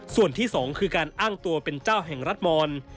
ส่วนที่สองคือการอ้างตัวเป็นเจ้าแห่งรัฐมอน